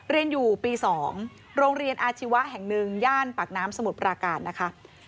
เรียนอยู่ปี๒โรงเรียนอาชีวะแห่งหนึ่งย่านปากน้ำสมุทรปราการนะคะ